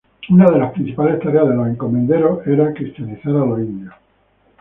Unas de las principales tareas de los encomenderos era cristianizar a los indios.